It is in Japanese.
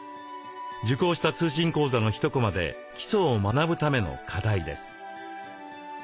受講した通信講座の一コマで基礎を学ぶための課題です。